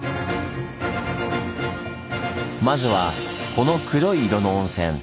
まずはこの黒い色の温泉